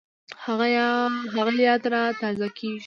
هغه یاد را تازه کېږي